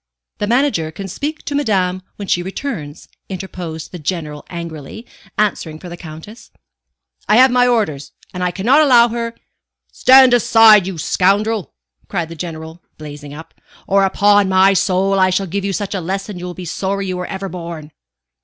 "The manager can speak to madame when she returns," interposed the General angrily, answering for the Countess. "I have had my orders, and I cannot allow her " "Stand aside, you scoundrel!" cried the General, blazing up; "or upon my soul I shall give you such a lesson you will be sorry you were ever born."